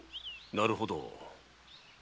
なるほど。